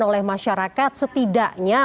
oleh masyarakat setidaknya